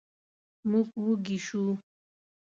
موږ وږي شوو.